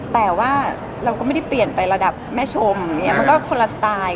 แต่ว่าเราก็ไม่ได้เปลี่ยนไประดับแม่ชมอย่างนี้มันก็คนละสไตล์